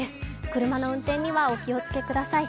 車の運転にはお気をつけください。